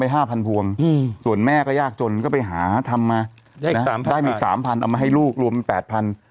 ประมาณ๓๐๐๐บาทดูกมาให้ลูกรวมเป็น๘๐๐๐บาท